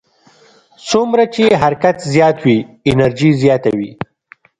څومره چې حرکت زیات وي انرژي زیاته وي.